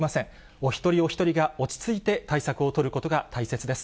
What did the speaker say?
お一人お一人が落ち着いて対策を取ることが大切です。